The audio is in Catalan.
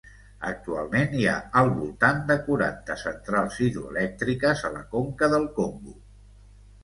Actualment hi ha al voltant de quaranta centrals hidroelèctriques a la conca del Congo.